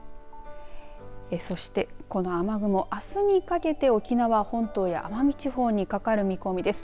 そして、この雨雲あすにかけて沖縄本島や奄美地方に、かかる見込みです。